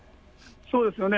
そうですよね。